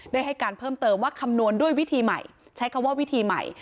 ให้การเพิ่มเติมว่าคำนวณด้วยวิธีใหม่ใช้คำว่าวิธีใหม่